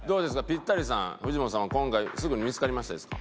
ピッタリさん藤本さんは今回すぐに見付かりましたですか？